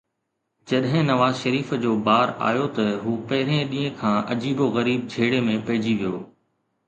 جڏهن نواز شريف جو بار آيو ته هو پهرئين ڏينهن کان عجيب و غريب جهيڙي ۾ پئجي ويو.